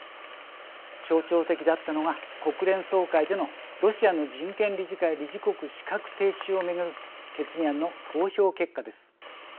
象徴的だったのが国連総会でのロシアの人権理事会理事国資格停止を巡る決議案の投票結果です。